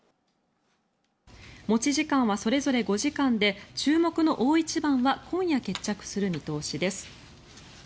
持ち時間はそれぞれ５時間で注目の大一番は今夜決着する見通しです。